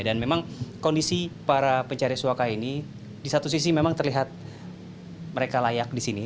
dan memang kondisi para pencari suaka ini di satu sisi memang terlihat mereka layak di sini